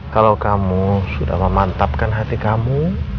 kalau kamu sudah memantapkan hati kamu